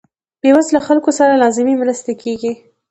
بې وزله خلکو سره لازمې مرستې کیږي.